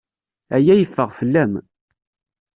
Aya yeffeɣ fell-am.